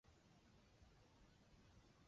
文革初期受到冲击。